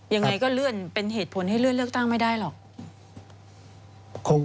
ยังไงก็เลื่อนเป็นเหตุผลให้เลื่อนเลือกตั้งไม่ได้หรอก